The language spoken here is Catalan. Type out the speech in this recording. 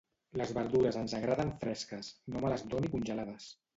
Les verdures ens agraden fresques; no me les doni congelades.